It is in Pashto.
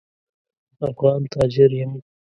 افغان تاجر یم.